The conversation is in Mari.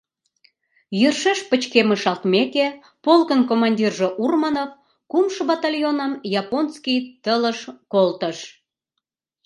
Йӧршеш пычкемышалтмеке, полкын командирже Урманов кумшо батальоным японский тылыш колтыш.